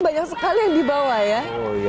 banyak sekali yang dibawa ya